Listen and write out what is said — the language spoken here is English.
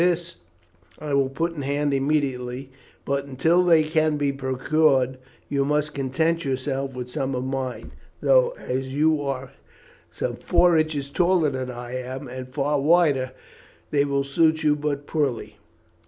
This I will put in hand immediately; but, until they can be procured, you must content yourself with some of mine, though, as you are some four inches taller than I am and far wider, they will suit you but poorly.